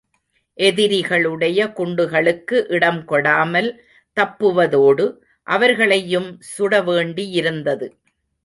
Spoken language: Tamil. எதிரிகளுடைய குண்டுகளுக்கு இடம் கொடாமல் தப்புவதோடு, அவர்களையும்சுட வேண்டியிருந்தது.